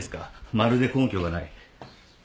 まるで根拠がない。